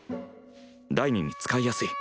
第２に使いやすい。